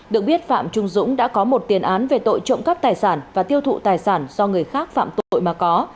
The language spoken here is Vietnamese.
dũng đã có một tiền án về tội trộm cắp tài sản và tiêu thụ tài sản do người khác phạm tội mà có